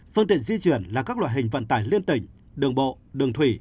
phương tiện di chuyển là các loại hình vận tải liên tỉnh đường bộ đường thủy